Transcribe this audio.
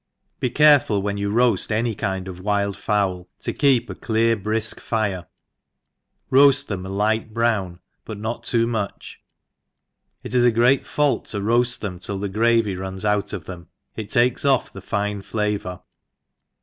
Be careful^ when you roaft any kind of wild fowl to keep a clear brifk fire, road: them a light brown» but not too much : it is a great fault to roaft them till the gravy runs out of them, it take? off the fine flavour.